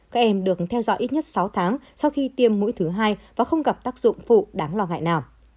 các em được theo dõi ít nhất sáu tháng sau khi tiêm mũi thứ hai và không gặp tác dụng phụ đáng lo ngại nào